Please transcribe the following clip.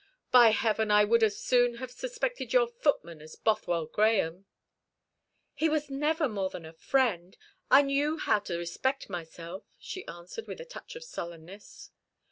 By Heaven, I would as soon have suspected your footman as Bothwell Grahame!" "He was never more to me than a friend. I knew how to respect myself," she answered, with a touch of sullenness.